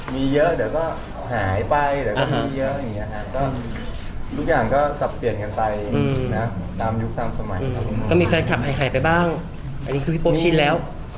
มีเยอะเดี๋ยวก็หายไปเดี๋ยวก็มีเยอะอย่างเงี้ฮะก็ทุกอย่างก็สับเปลี่ยนกันไปนะตามยุคตามสมัยก็มีแฟนคลับหายไปบ้างอันนี้คือพี่โป๊ชินแล้ว